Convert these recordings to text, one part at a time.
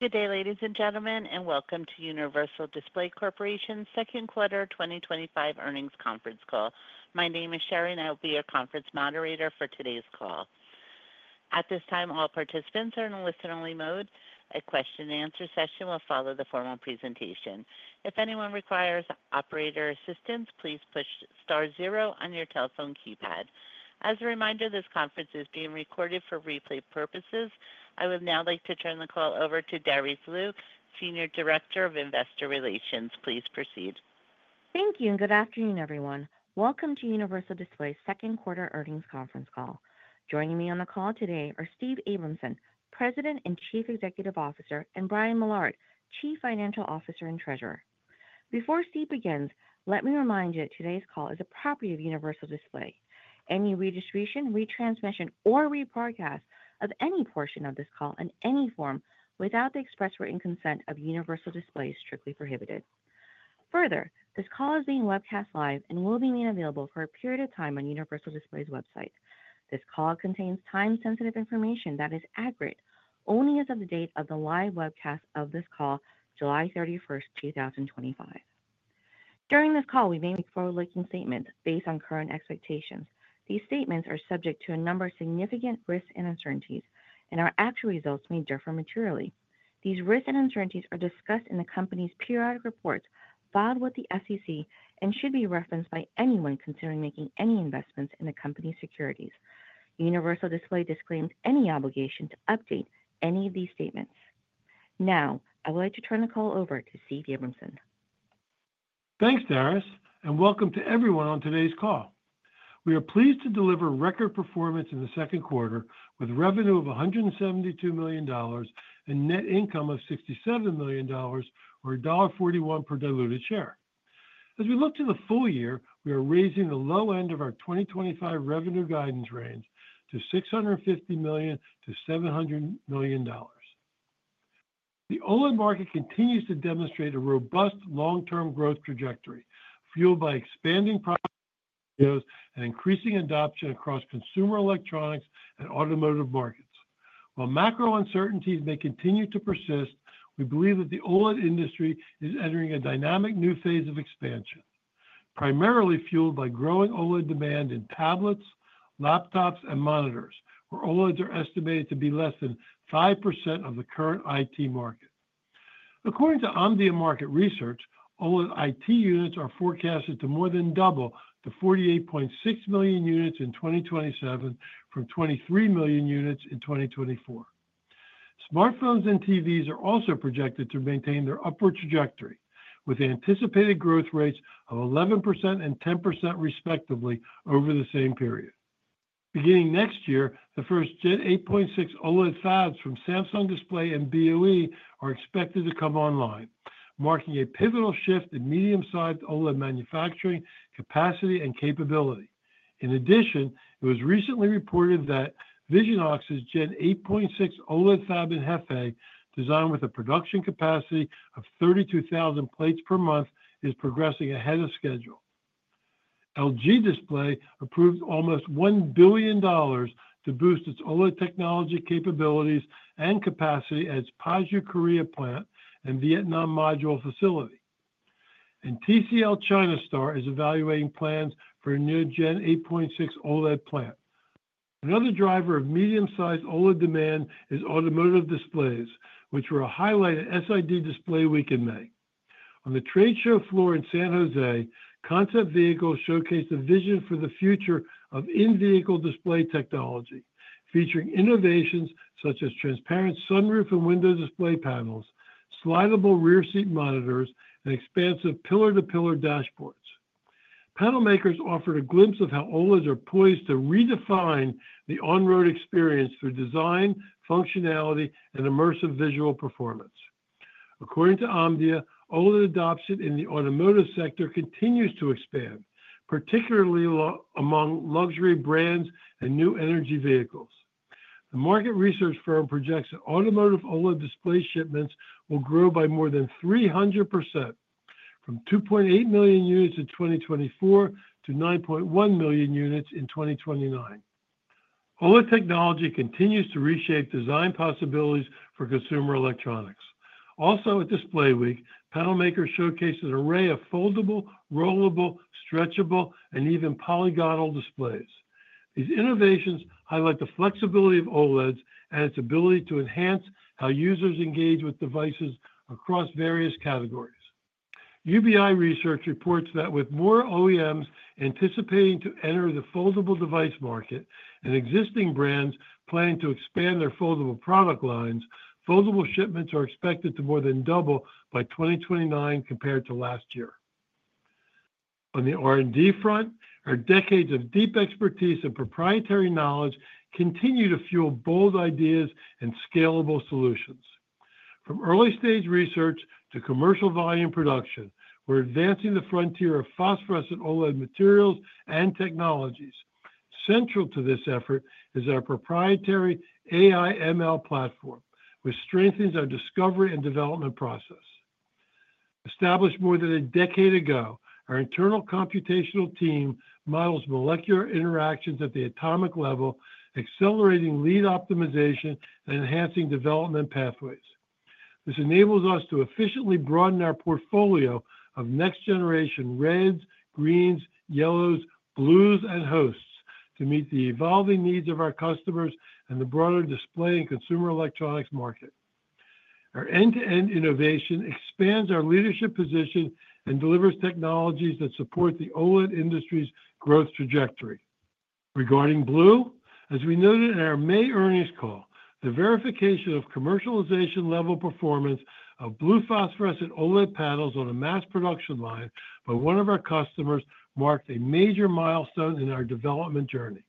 Good day, ladies and gentlemen, and welcome to Universal Display Corporation's second quarter 2025 earnings conference call. My name is Sherri, and I will be your conference moderator for today's call. At this time, all participants are in a listen-only mode. A question-and-answer session will follow the formal presentation. If anyone requires operator assistance, please push star zero on your telephone keypad. As a reminder, this conference is being recorded for replay purposes. I would now like to turn the call over to Darice Liu, Senior Director of Investor Relations. Please proceed. Thank you, and good afternoon, everyone. Welcome to Universal Display second quarter earnings conference call. Joining me on the call today are Steve Abramson, President and Chief Executive Officer, and Brian Millard, Chief Financial Officer and Treasurer. Before Steve begins, let me remind you that today's call is a property of Universal Display Corporation. Any redistribution, retransmission, or rebroadcast of any portion of this call in any form without the express written consent of Universal Display Corporation is strictly prohibited. Further, this call is being webcast live and will be made available for a period of time on Universal Display's website. This call contains time-sensitive information that is accurate only as of the date of the live webcast of this call, July 31, 2025. During this call, we may make forward-looking statements based on current expectations. These statements are subject to a number of significant risks and uncertainties and our actual results may differ materially. These risks and uncertainties are discussed in the company's periodic reports filed with the SEC and should be referenced by anyone considering making any investments in the company's securities. Universal Display disclaims any obligation to update any of these statements. Now, I would like to turn the call over to Steve Abramson. Thanks, Darice, and welcome to everyone on today's call. We are pleased to deliver record performance in the second quarter with a revenue of $172 million and a net income of $67 million, or $1.41 per diluted share. As we look to the full year, we are raising the low end of our 2025 revenue guidance range to $650 million to $700 million. The OLED market continues to demonstrate a robust long-term growth trajectory, fueled by expanding product and increasing adoption across consumer electronics and automotive markets. While macro uncertainties may continue to persist, we believe that the OLED industry is entering a dynamic new phase of expansion, primarily fueled by growing OLED demand in tablets, laptops, and monitors, where OLEDs are estimated to be less than 5% of the current IT market. According to Omdia, OLED IT units are forecasted to more than double to 48.6 million units in 2027, from 23 million units in 2024. Smartphones and TVs are also projected to maintain their upward trajectory, with anticipated growth rates of 11% and 10% respectively over the same period. Beginning next year, the first Gen 8.6 OLED fabs from Samsung Display and BOE are expected to come online, marking a pivotal shift in medium-sized OLED manufacturing capacity and capability. In addition, it was recently reported that Visionox's Gen 8.6 OLED fab in Hefei, designed with a production capacity of 32,000 plates per month, is progressing ahead of schedule. LG Display approved almost $1 billion to boost its OLED technology capabilities and capacity at its Paju Korea plant and Vietnam module facility. TCL China Star is evaluating plans for a new Gen 8.6 OLED plant. Another driver of medium-sized OLED demand is automotive displays, which were a highlight at SID Display Week in May. On the trade show floor in San Jose, concept vehicles showcased the vision for the future of in-vehicle display technology, featuring innovations such as transparent sunroof and window display panels, slidable rear seat monitors, and expansive pillar-to-pillar dashboards. Panel makers offered a glimpse of how OLEDs are poised to redefine the on-road experience through design, functionality, and immersive visual performance. According to Omdia, OLED adoption in the automotive sector continues to expand, particularly among luxury brands and new energy vehicles. The market research firm projects that automotive OLED display shipments will grow by more than 300%, from 2.8 million units in 2024 to 9.1 million units in 2029. OLED technology continues to reshape design possibilities for consumer electronics. Also, at Display Week, panel makers showcased an array of foldable, rollable, stretchable, and even polygonal displays. These innovations highlight the flexibility of OLEDs and its ability to enhance how users engage with devices across various categories. UBI Research reports that with more OEMs anticipating to enter the foldable device market and existing brands planning to expand their foldable product lines, foldable shipments are expected to more than double by 2029 compared to last year. On the R&D front, our decades of deep expertise and proprietary knowledge continue to fuel bold ideas and scalable solutions. From early-stage research to commercial volume production, we're advancing the frontier of phosphorescent OLED materials and technologies. Central to this effort is our proprietary AI/ML-driven R&D platform, which strengthens our discovery and development process. Established more than a decade ago, our internal computational team models molecular interactions at the atomic level, accelerating lead optimization and enhancing development pathways. This enables us to efficiently broaden our portfolio of next-generation reds, greens, yellows, blues, and hosts to meet the evolving needs of our customers and the broader display and consumer electronics market. Our end-to-end innovation expands our leadership position and delivers technologies that support the OLED industry's growth trajectory. Regarding blue, as we noted in our May earnings call, the verification of commercialization-level performance of blue phosphorescent OLED panels on a mass production line by one of our customers marked a major milestone in our development journey.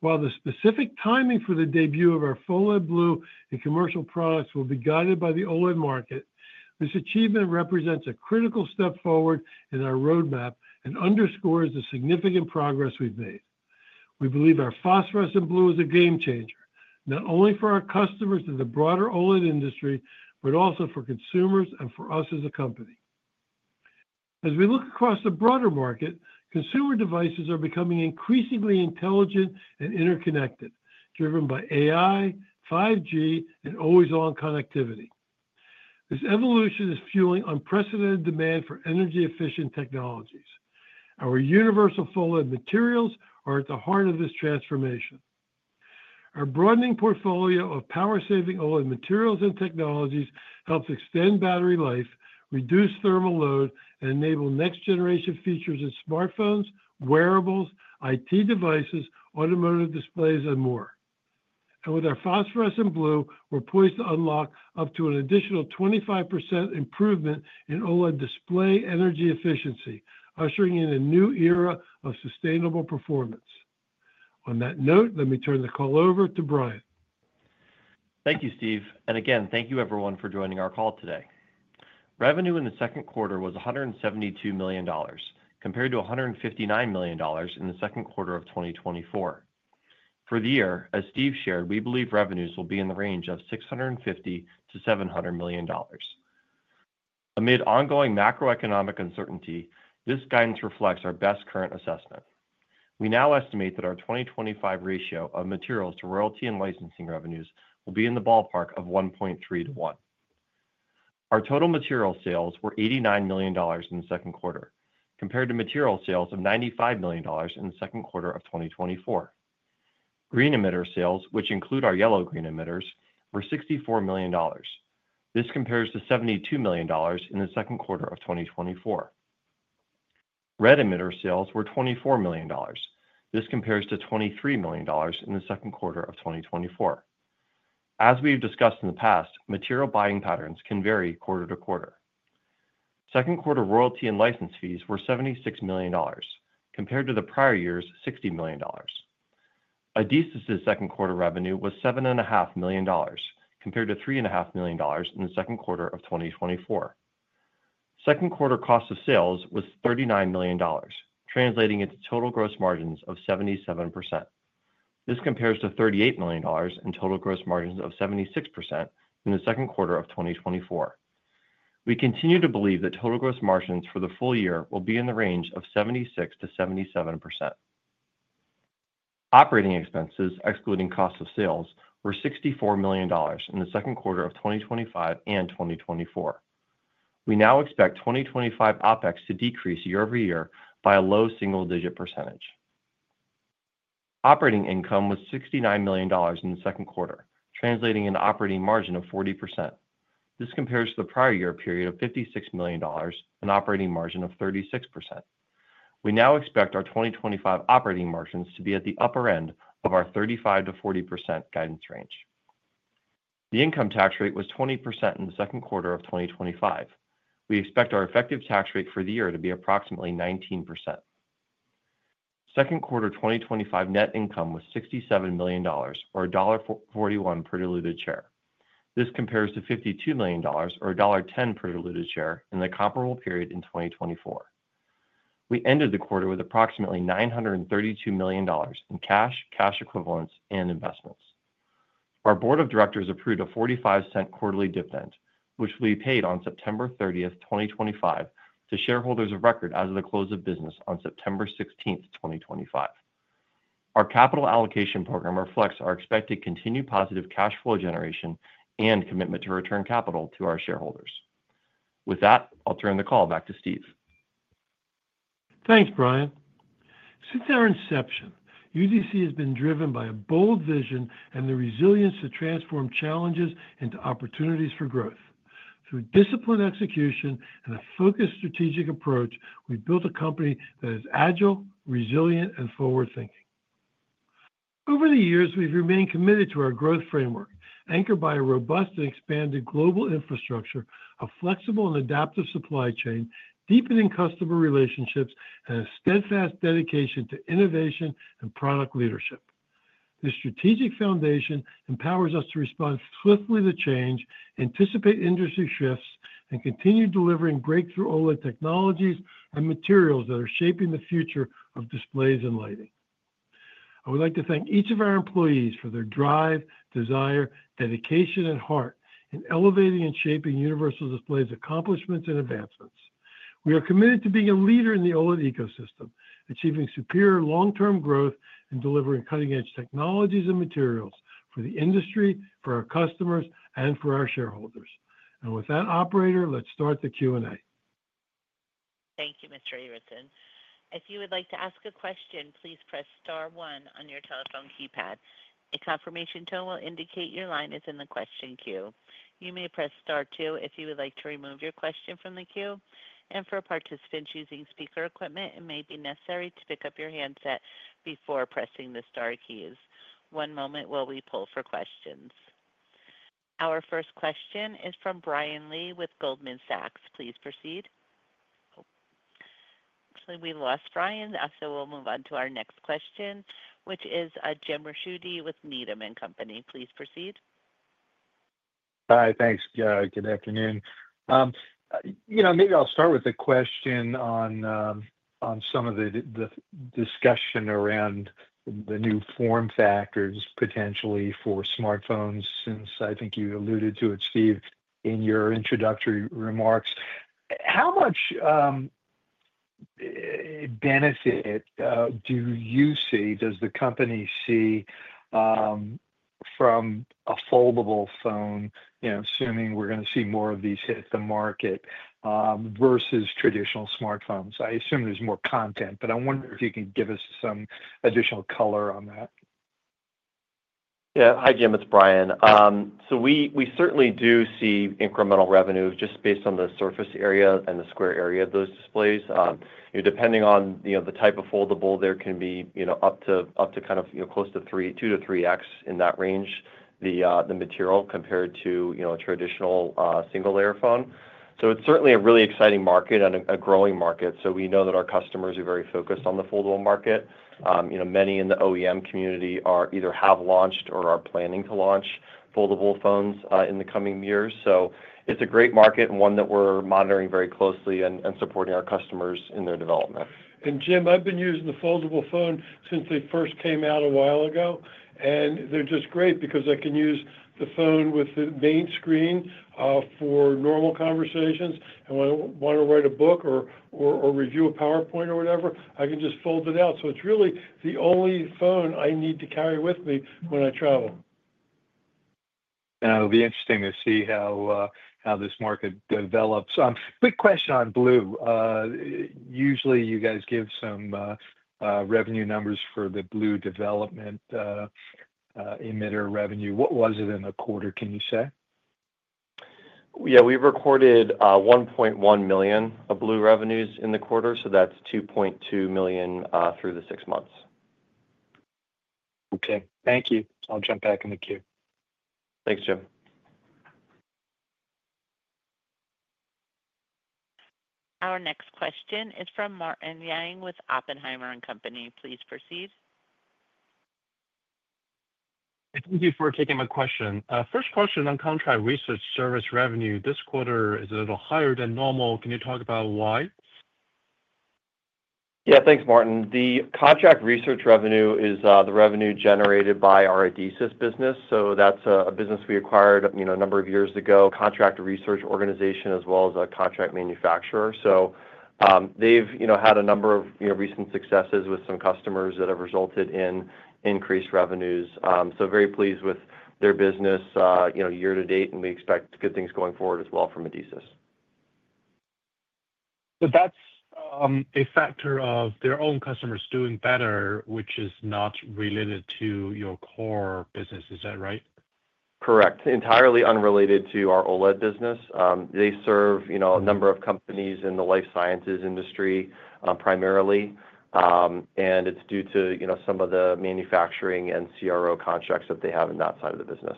While the specific timing for the debut of our full-fledged blue in commercial products will be guided by the OLED market, this achievement represents a critical step forward in our roadmap and underscores the significant progress we've made. We believe our phosphorescent blue is a game changer, not only for our customers in the broader OLED industry, but also for consumers and for us as a company. As we look across the broader market, consumer devices are becoming increasingly intelligent and interconnected, driven by AI, 5G, and always-on connectivity. This evolution is fueling unprecedented demand for energy-efficient technologies. Our UniversalPHOLED materials are at the heart of this transformation. Our broadening portfolio of power-saving OLED materials and technologies helps extend battery life, reduce thermal load, and enable next-generation features in smartphones, wearables, IT devices, automotive displays, and more. With our phosphorescent blue, we're poised to unlock up to an additional 25% improvement in OLED display energy efficiency, ushering in a new era of sustainable performance. On that note, let me turn the call over to Brian. Thank you, Steve, and again, thank you everyone for joining our call today. Revenue in the second quarter was $172 million, compared to $159 million in the second quarter of 2024. For the year, as Steve shared, we believe revenues will be in the range of $650 to $700 million. Amid ongoing macroeconomic uncertainty, this guidance reflects our best current assessment. We now estimate that our 2025 ratio of materials to royalty and license revenues will be in the ballpark of 1.3 to 1. Our total material sales were $89 million in the second quarter, compared to material sales of $95 million in the second quarter of 2024. Green emitter sales, which include our yellow green emitters, were $64 million. This compares to $72 million in the second quarter of 2024. Red emitter sales were $24 million. This compares to $23 million in the second quarter of 2024. As we've discussed in the past, material buying patterns can vary quarter to quarter. Second quarter royalty and license fees were $76 million, compared to the prior year's $60 million. Adesis's second quarter revenue was $7.5 million, compared to $3.5 million in the second quarter of 2024. Second quarter cost of sales was $39 million, translating into total gross margins of 77%. This compares to $38 million in total gross margins of 76% in the second quarter of 2024. We continue to believe that total gross margins for the full year will be in the range of 76% to 77%. Operating expenses, excluding cost of sales, were $64 million in the second quarter of 2025 and 2024. We now expect 2025 OpEx to decrease year over year by a low single-digit percentage. Operating income was $69 million in the second quarter, translating into an operating margin of 40%. This compares to the prior year period of $56 million and an operating margin of 36%. We now expect our 2025 operating margins to be at the upper end of our 35% to 40% guidance range. The income tax rate was 20% in the second quarter of 2025. We expect our effective tax rate for the year to be approximately 19%. Second quarter 2025 net income was $67 million, or $1.41 per diluted share. This compares to $52 million, or $1.10 per diluted share in the comparable period in 2024. We ended the quarter with approximately $932 million in cash, cash equivalents, and investments. Our board of directors approved a $0.45 quarterly dividend, which will be paid on September 30, 2025, to shareholders of record as of the close of business on September 16, 2025. Our capital allocation program reflects our expected continued positive cash flow generation and commitment to return capital to our shareholders. With that, I'll turn the call back to Steve. Thanks, Brian. Since our inception, UDC has been driven by a bold vision and the resilience to transform challenges into opportunities for growth. Through disciplined execution and a focused strategic approach, we built a company that is agile, resilient, and forward-thinking. Over the years, we've remained committed to our growth framework, anchored by a robust and expanded global infrastructure, a flexible and adaptive supply chain, deepening customer relationships, and a steadfast dedication to innovation and product leadership. This strategic foundation empowers us to respond swiftly to change, anticipate industry shifts, and continue delivering breakthrough OLED technologies and materials that are shaping the future of displays and lighting. I would like to thank each of our employees for their drive, desire, dedication, and heart in elevating and shaping Universal Display Corporation's accomplishments and advancements. We are committed to being a leader in the OLED ecosystem, achieving superior long-term growth and delivering cutting-edge technologies and materials for the industry, for our customers, and for our shareholders. Operator, let's start the Q&A. Thank you, Mr. Abramson. If you would like to ask a question, please press star one on your telephone keypad. A confirmation tone will indicate your line is in the question queue. You may press star two if you would like to remove your question from the queue. For participants using speaker equipment, it may be necessary to pick up your handset before pressing the star keys. One moment while we pull for questions. Our first question is from Brian Lee with Goldman Sachs. Please proceed. Actually, we lost Brian, so we'll move on to our next question, which is Jim Ricchiuti with Needham and Company. Please proceed. Hi, thanks. Good afternoon. Maybe I'll start with a question on some of the discussion around the new form factors potentially for smartphones, since I think you alluded to it, Steve, in your introductory remarks. How much benefit do you see, does the company see from a foldable phone, assuming we're going to see more of these hit the market versus traditional smartphones? I assume there's more content, but I wonder if you can give us some additional color on that. Yeah. Hi, Jim. It's Brian. We certainly do see incremental revenue just based on the surface area and the square area of those displays. Depending on the type of foldable, there can be up to kind of close to 3, 2 to 3x in that range, the material compared to a traditional single-layer phone. It's certainly a really exciting market and a growing market. We know that our customers are very focused on the foldable market. Many in the OEM community either have launched or are planning to launch foldable phones in the coming years. It's a great market and one that we're monitoring very closely and supporting our customers in their development. Jim, I've been using the foldable phone since they first came out a while ago, and they're just great because I can use the phone with the main screen for normal conversations. When I want to write a book or review a PowerPoint or whatever, I can just fold it out. It's really the only phone I need to carry with me when I travel. It'll be interesting to see how this market develops. Quick question on blue. Usually, you guys give some revenue numbers for the blue development emitter revenue. What was it in the quarter, can you say? Yeah, we've recorded $1.1 million of blue revenues in the quarter, so that's $2.2 million through the six months. Okay. Thank you. I'll jump back in the queue. Thanks, Jim. Our next question is from Martin Yang with Oppenheimer and Company. Please proceed. Thank you for taking my question. First question on contract research service revenue. This quarter is a little higher than normal. Can you talk about why? Yeah, thanks, Martin. The contract research revenue is the revenue generated by our Adesis business. That's a business we acquired a number of years ago. Contract research organization as well as a contract manufacturer. They've had a number of recent successes with some customers that have resulted in increased revenues. Very pleased with their business year to date, and we expect good things going forward as well from Adesis. That's a factor of their own customers doing better, which is not related to your core business. Is that right? Correct. Entirely unrelated to our OLED business. They serve a number of companies in the life sciences industry primarily, and it's due to some of the manufacturing and CRO contracts that they have in that side of the business.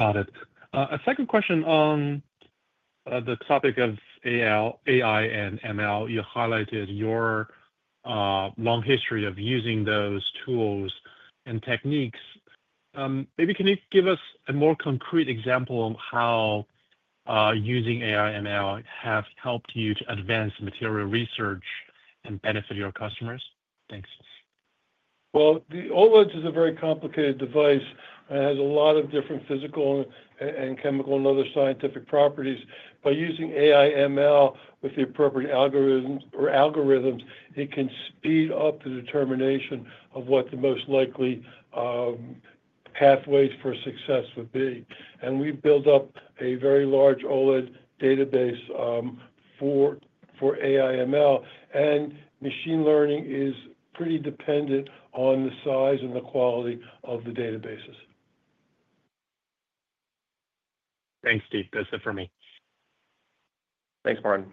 Got it. A second question on the topic of AI and ML. You highlighted your long history of using those tools and techniques. Maybe can you give us a more concrete example of how using AI/ML has helped you to advance material research and benefit your customers? Thanks. The OLED is a very complicated device. It has a lot of different physical and chemical and other scientific properties. By using AI/ML with the appropriate algorithms, it can speed up the determination of what the most likely pathways for success would be. We build up a very large OLED database for AI/ML, and machine learning is pretty dependent on the size and the quality of the databases. Thanks, Steve. That's it for me. Thanks, Martin.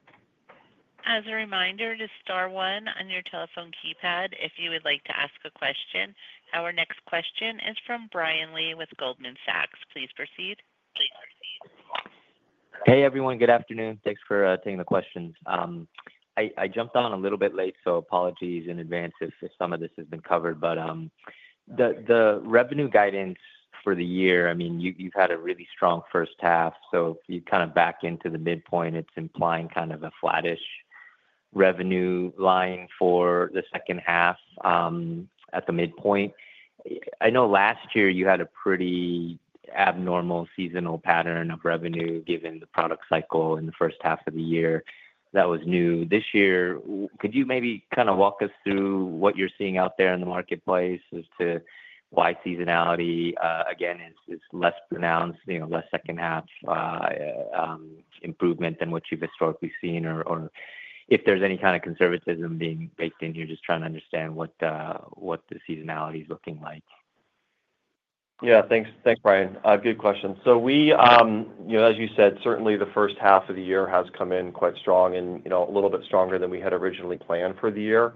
As a reminder, just star one on your telephone keypad if you would like to ask a question. Our next question is from Brian Lee with Goldman Sachs. Please proceed. Hey, everyone. Good afternoon. Thanks for taking the questions. I jumped on a little bit late, so apologies in advance if some of this has been covered. The revenue guidance for the year, I mean, you've had a really strong first half. If you kind of back into the midpoint, it's implying kind of a flattish revenue line for the second half at the midpoint. I know last year you had a pretty abnormal seasonal pattern of revenue given the product cycle in the first half of the year. That was new. This year, could you maybe kind of walk us through what you're seeing out there in the marketplace as to why seasonality, again, is less pronounced, you know, less second half improvement than what you've historically seen? If there's any kind of conservatism being baked in here, just trying to understand what the seasonality is looking like. Yeah, thanks, thanks, Brian. Good question. As you said, certainly the first half of the year has come in quite strong and a little bit stronger than we had originally planned for the year.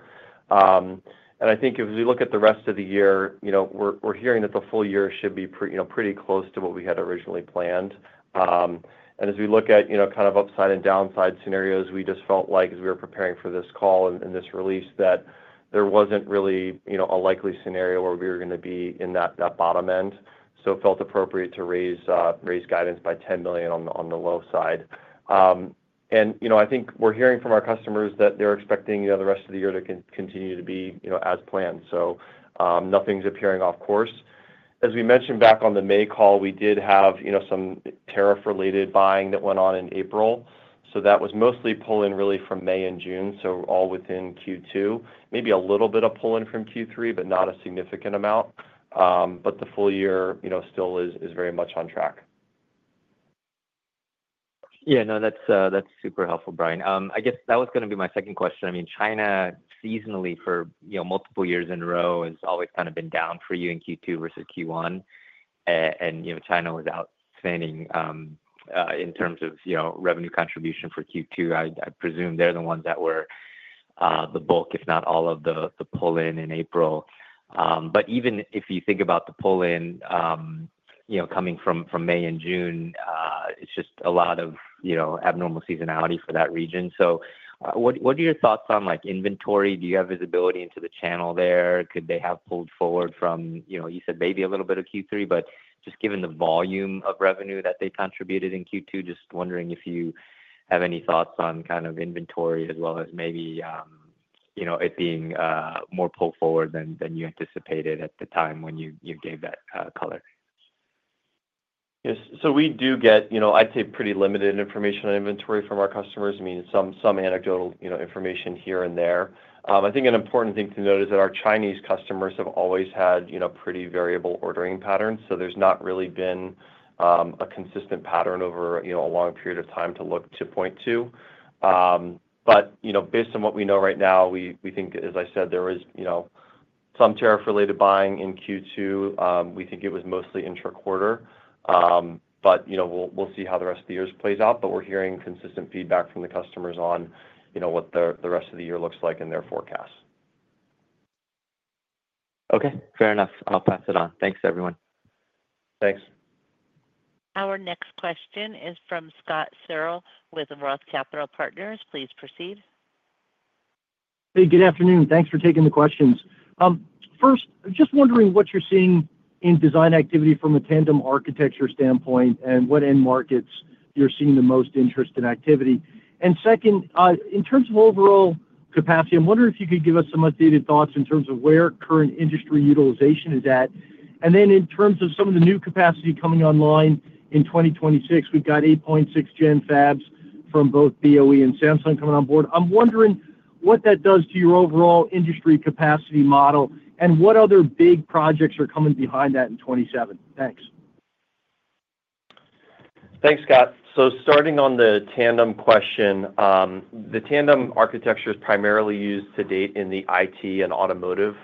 I think as we look at the rest of the year, we're hearing that the full year should be pretty close to what we had originally planned. As we look at kind of upside and downside scenarios, we just felt like as we were preparing for this call and this release that there wasn't really a likely scenario where we were going to be in that bottom end. It felt appropriate to raise guidance by $10 million on the low side. I think we're hearing from our customers that they're expecting the rest of the year to continue to be as planned. Nothing's appearing off course. As we mentioned back on the May call, we did have some tariff-related buying that went on in April. That was mostly pull-in really from May and June, so all within Q2. Maybe a little bit of pull-in from Q3, but not a significant amount. The full year still is very much on track. Yeah, no, that's super helpful, Brian. I guess that was going to be my second question. I mean, China seasonally for, you know, multiple years in a row has always kind of been down for you in Q2 versus Q1. China was outstanding in terms of, you know, revenue contribution for Q2. I presume they're the ones that were the bulk, if not all of the pull-in in April. Even if you think about the pull-in coming from May and June, it's just a lot of, you know, abnormal seasonality for that region. What are your thoughts on like inventory? Do you have visibility into the channel there? Could they have pulled forward from, you know, you said maybe a little bit of Q3, but just given the volume of revenue that they contributed in Q2, just wondering if you have any thoughts on kind of inventory as well as maybe, you know, it being more pulled forward than you anticipated at the time when you gave that color. Yes. We do get, you know, I'd say pretty limited information on inventory from our customers. I mean, some anecdotal information here and there. I think an important thing to note is that our Chinese customers have always had pretty variable ordering patterns. There's not really been a consistent pattern over a long period of time to point to. Based on what we know right now, we think, as I said, there was some tariff-related buying in Q2. We think it was mostly intra-quarter. We'll see how the rest of the year plays out. We're hearing consistent feedback from the customers on what the rest of the year looks like in their forecast. Okay. Fair enough. I'll pass it on. Thanks, everyone. Thanks. Our next question is from Scott Searle with Roth Capital Partners. Please proceed. Hey, good afternoon. Thanks for taking the questions. First, I'm just wondering what you're seeing in design activity from a tandem architecture standpoint and what end markets you're seeing the most interest in activity. In terms of overall capacity, I'm wondering if you could give us some updated thoughts in terms of where current industry utilization is at. In terms of some of the new capacity coming online in 2026, we've got 8.6 Gen fabs from both BOE and Samsung coming on board. I'm wondering what that does to your overall industry capacity model and what other big projects are coming behind that in 2027. Thanks. Thanks, Scott. Starting on the tandem question, the tandem architecture is primarily used to date in the IT and automotive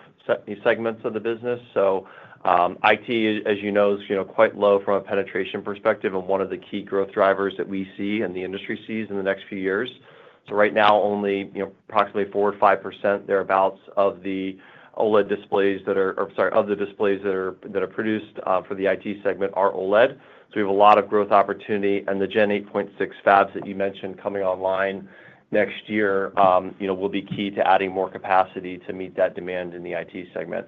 segments of the business. IT, as you know, is quite low from a penetration perspective and one of the key growth drivers that we see and the industry sees in the next few years. Right now, only approximately 4% or 5% thereabouts of the displays that are produced for the IT segment are OLED. We have a lot of growth opportunity. The Gen 8.6 fabs that you mentioned coming online next year will be key to adding more capacity to meet that demand in the IT segment.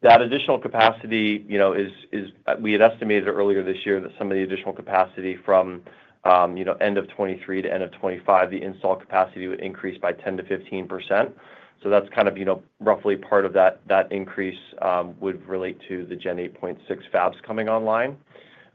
That additional capacity, we had estimated earlier this year that some of the additional capacity from end of 2023 to end of 2025, the installed capacity would increase by 10% to 15%. Roughly part of that increase would relate to the Gen 8.6 fabs coming online.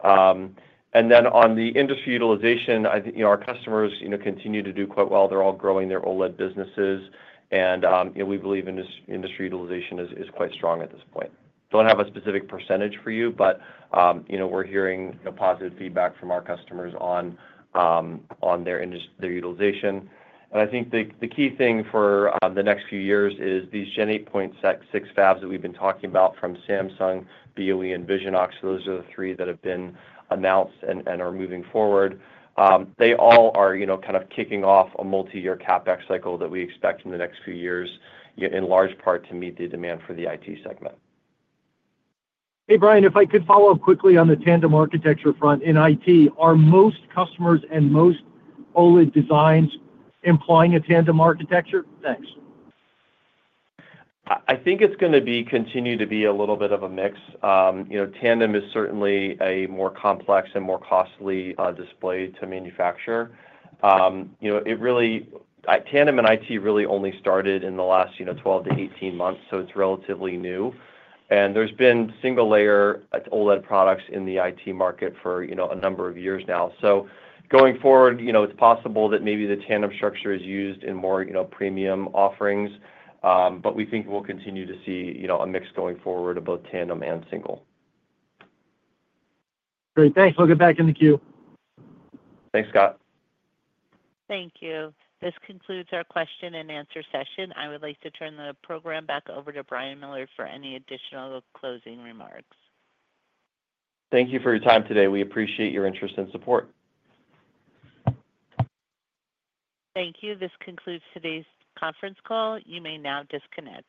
On the industry utilization, our customers continue to do quite well. They're all growing their OLED businesses. We believe industry utilization is quite strong at this point. I don't have a specific percentage for you, but we're hearing positive feedback from our customers on their utilization. I think the key thing for the next few years is these Gen 8.6 fabs that we've been talking about from Samsung, BOE, and Visionox. Those are the three that have been announced and are moving forward. They all are kicking off a multi-year CapEx cycle that we expect in the next few years, in large part, to meet the demand for the IT segment. Hey, Brian, if I could follow up quickly on the tandem architecture front. In IT, are most customers and most OLED designs implying a tandem architecture? Thanks. I think it's going to continue to be a little bit of a mix. Tandem is certainly a more complex and more costly display to manufacture. Tandem in IT really only started in the last 12 to 18 months, so it's relatively new. There's been single-layer OLED products in the IT market for a number of years now. Going forward, it's possible that maybe the tandem structure is used in more premium offerings. We think we'll continue to see a mix going forward of both tandem and single. Great. Thanks. We'll get back in the queue. Thanks, Scott. Thank you. This concludes our question and answer session. I would like to turn the program back over to Brian Millard for any additional closing remarks. Thank you for your time today. We appreciate your interest and support. Thank you. This concludes today's conference call. You may now disconnect.